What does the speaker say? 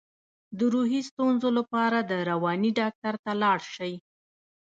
د روحي ستونزو لپاره د رواني ډاکټر ته لاړ شئ